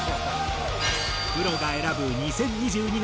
プロが選ぶ２０２２年